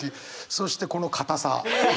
そしてこのかたさ。